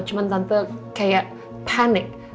cuman tante kayak panik